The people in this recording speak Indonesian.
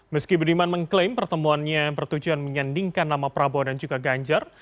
meski budiman mengklaim pertemuannya bertujuan menyandingkan nama prabowo dan juga ganjar